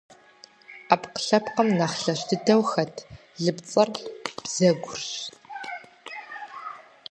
Ӏэпкълъэпкъым нэхъ лъэщ дыдэу хэт лыпцӏэр - бзэгурщ.